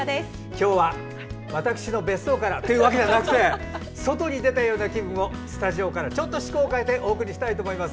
今日は私の別荘からというわけじゃなくて外に出たような気分をスタジオからちょっと趣向を変えてお送りしたいと思います。